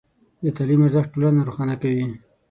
د تعلیم ارزښت ټولنه روښانه کوي.